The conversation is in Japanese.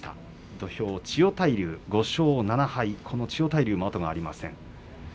土俵は千代大龍５勝７敗千代大龍、後がありません。